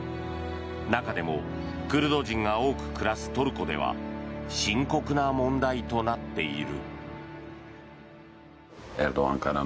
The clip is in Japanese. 中でもクルド人が多く暮らすトルコでは深刻な問題となっている。